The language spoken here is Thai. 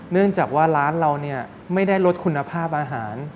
เนื่องจากว่าร้านเราไม่ได้ลดคุณภาพอาหาร